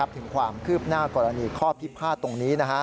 ถึงความคืบหน้ากรณีข้อพิพาทตรงนี้